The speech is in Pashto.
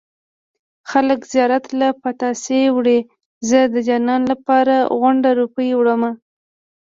خلک زيارت له پتاسې وړي زه د جانان لپاره غونډه روپۍ وړمه